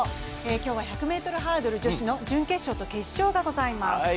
今日は１００ｍハードルの準決勝と決勝がございます。